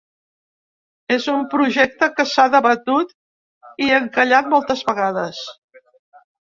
És un projecte que s’ha debatut i encallat moltes vegades.